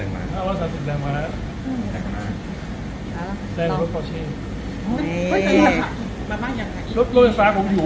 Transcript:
ไม่ได้ออกไม่ได้อุ้ยระวังค่ะโอ้โห